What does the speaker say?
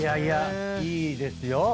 いいですよ。